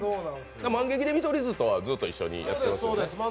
マンゲキで見取り図とはずっと一緒にやってたんですね。